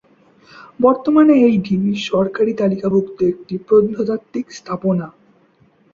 বর্তমানে এই ঢিবি সরকারি তালিকাভুক্ত একটি প্রত্নতাত্ত্বিক স্থাপনা।